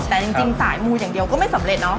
แต่จริงสายมูอย่างเดียวก็ไม่สำเร็จเนาะ